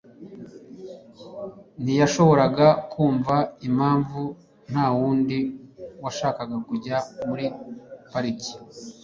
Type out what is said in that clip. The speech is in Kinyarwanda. ntiyashoboraga kumva impamvu ntawundi washakaga kujya muri pariki.